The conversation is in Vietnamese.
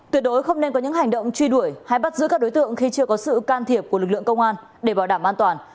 tuyệt đối không nên có những hành động truy đuổi hay bắt giữ các đối tượng khi chưa có sự can thiệp của lực lượng công an để bảo đảm an toàn